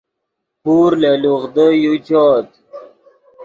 پور لے لوغدو یو چؤت